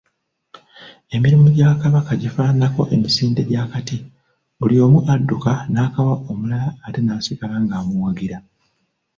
Emirimu gya Kabaka gifaananako emisinde gy'akati, buli omu adduka n'akawa omulala ate n'asigala ng'amuwagira.